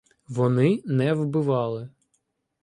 Вони не вбивали.